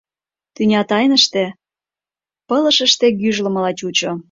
Тӱня тайныште, пылышыште гӱжлымыла чучо.